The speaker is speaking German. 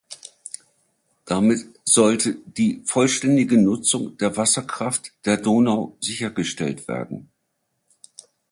Damit sollte die vollständige Nutzung der Wasserkraft der Donau sichergestellt werden.